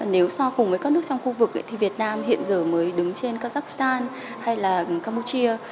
nếu so cùng với các nước trong khu vực thì việt nam hiện giờ mới đứng trên kazakhstan hay là campuchia